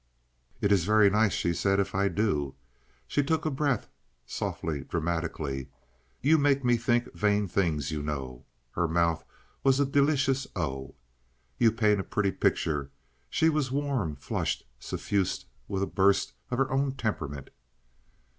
"It is very nice," she said, "if I do." She took a breath, softly, dramatically. "You make me think vain things, you know." (Her mouth was a delicious O.) "You paint a pretty picture." She was warm, flushed, suffused with a burst of her own temperament.